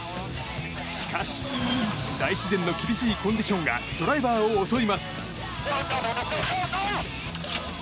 しかし、大自然の厳しいコンディションがドライバーを襲います。